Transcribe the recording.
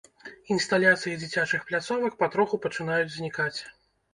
Інсталяцыі дзіцячых пляцовак патроху пачынаюць знікаць.